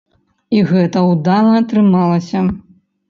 І гэта ўдала атрымалася.